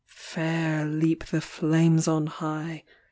Fair leap the flames on high.